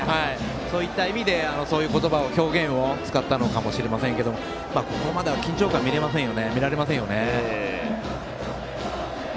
そういった意味でそういう表現を使ったのかもしれませんがここまでは緊張感は見られませんよね。